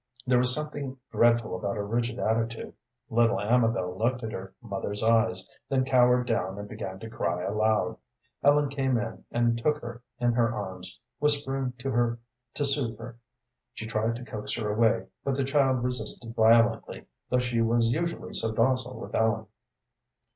There was something dreadful about her rigid attitude. Little Amabel looked at her mother's eyes, then cowered down and began to cry aloud. Ellen came in and took her in her arms, whispering to her to soothe her. She tried to coax her away, but the child resisted violently, though she was usually so docile with Ellen.